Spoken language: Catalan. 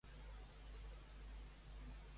Truca a l'àvia Rosita, si us plau.